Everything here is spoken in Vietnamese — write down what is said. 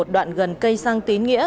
đoạn gần cây sang tín nghĩa